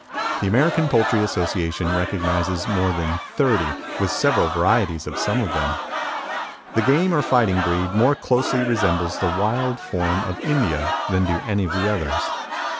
The American Poultry Association recognizes more than thirty, with several varieties of some of them. The game or fighting breed more closely resembles the wild form of India than do any of the others.